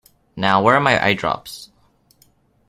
Now, where are my eyedrops?